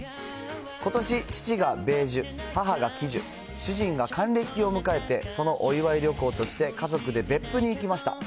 ことし、父が米寿、母が喜寿、主人が還暦を迎えて、そのお祝い旅行として家族で別府に行きました。